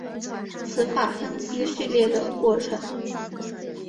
词法分析序列的过程。